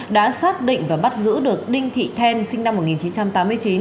đã xác định và bắt giữ được đinh thị then sinh năm một nghìn chín trăm tám mươi chín